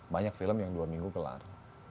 banyak film yang dua minggu kelar